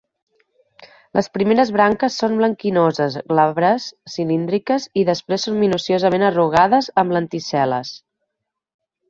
Les primeres branques són blanquinoses, glabres, cilíndriques, i després són minuciosament arrugades, amb lenticel·les.